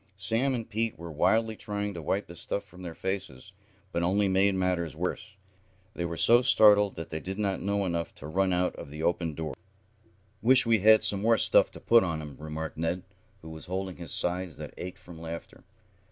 Sam and Pete were wildly trying to wipe the stuff from their faces, but only made matters worse. They were so startled that they did not know enough to run out of the opened doors. "Wish we had some more stuff to put on 'em," remarked Ned, who was holding his sides that ached from laughter.